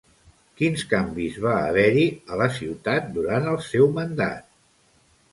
Quins canvis va haver-hi a la ciutat durant el seu mandat?